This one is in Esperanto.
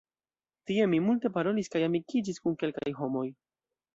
Tie mi multe parolis kaj amikiĝis kun kelkaj homoj.